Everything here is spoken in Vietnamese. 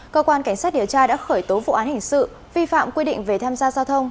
cơ quan cảnh sát điều tra đã khởi tố vụ án hình sự vi phạm quy định về tham gia giao thông